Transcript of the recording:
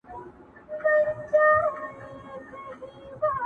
د بادار تر چړې لاندي یې انجام وي.